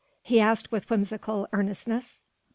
he asked with whimsical earnestness.